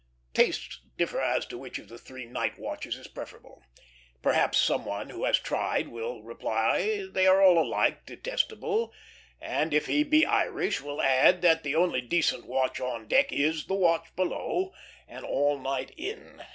'" Tastes differ as to which of the three night watches is preferable. Perhaps some one who has tried will reply they are all alike detestable, and, if he be Irish, will add that the only decent watch on deck is the watch below an "all night in."